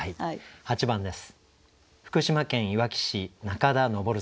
８番です。